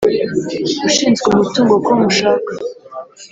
ushinzwe-umutungo ko mushaka